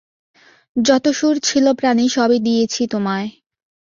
যত সুর ছিল প্রাণে সবই দিয়েছি তোমায়।